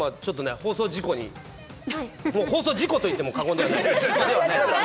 放送事故といっても過言ではないです。